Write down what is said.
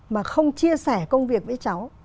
mà không chia sẻ công việc với cháu